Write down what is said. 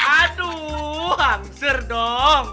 aduuuh angser dong